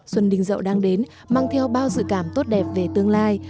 xuân đình dậu đang đến mang theo bao dự cảm tốt đẹp về tương lai